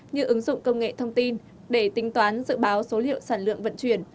như ứng dụng công nghệ thông tin để tính toán dự báo số liệu sản lượng vận chuyển